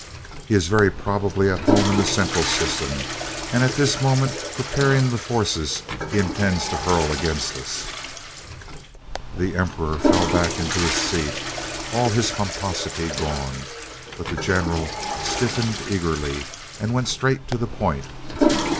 He is very probably at home in the Central System, and is at this moment preparing the forces he intends to hurl against us." The Emperor fell back into his seat, all his pomposity gone, but the general stiffened eagerly and went straight to the point.